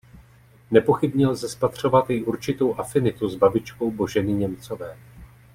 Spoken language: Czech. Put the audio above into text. Nepochybně lze spatřovat i určitou afinitu s "Babičkou" Boženy Němcové.